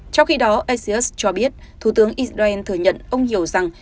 trong khi đó asius cho biết thủ tướng israel thừa nhận ông hiểu rằng